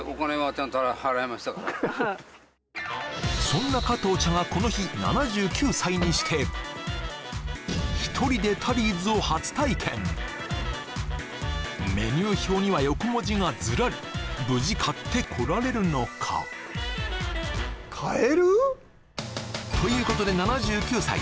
そんな加藤茶がこの日７９歳にして１人でタリーズを初体験メニュー表には横文字がずらり無事買ってこられるのかということで７９歳